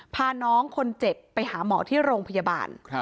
พาน้องคนเจ็บไปหาหมอที่โรงพยาบาล